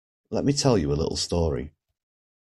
Let me tell you a little story.